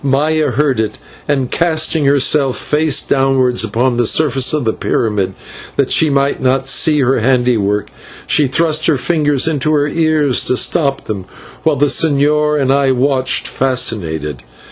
Maya heard it, and, casting herself face downward upon the surface of the pyramid, that she might not see her handiwork, she thrust her fingers into her ears to stop them, while the señor and I watched, fascinated.